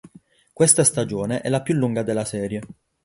Questa stagione è la più lunga della serie.